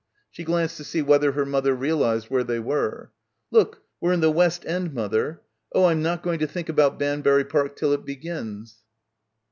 She glanced to see whether her mother realised where they were. "Look, we're in the West End, mother! Oh, I'm not going to think about Banbury Park t'll it begins